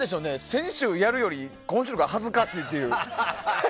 先週やるより今週のほうが恥ずかしいという。